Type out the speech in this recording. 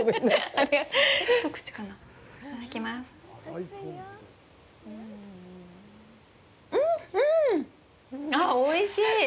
ああ、おいしい！